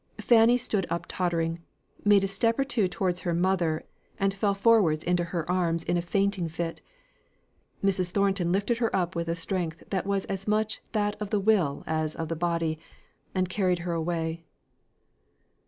Fanny stood up tottering made a step or two towards her mother, and fell forwards into her arms in a fainting fit. Mrs. Thornton lifted her up with a strength that was as much that of the will as of the body, and carried her away.